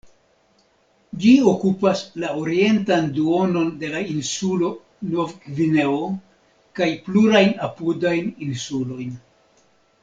Ĝi okupas la orientan duonon de la insulo Nov-Gvineo kaj plurajn apudajn insulojn.